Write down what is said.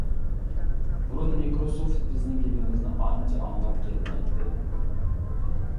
بۇرۇن مىكروسوفت بىزنىڭ گېپىمىزنى ئانچە ئاڭلاپ كەتمەيتتى.